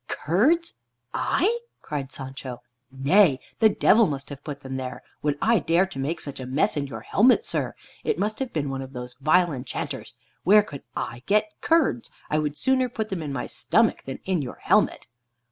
"Curds! I?" cried Sancho. "Nay, the devil must have put them there. Would I dare to make such a mess in your helmet, sir? It must have been one of those vile enchanters. Where could I get curds? I would sooner put them in my stomach than in your helmet."